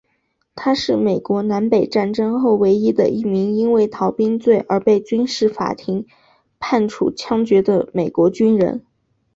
他是美国南北战争后唯一的一名因为逃兵罪而被军事法庭判处枪决的美国军人。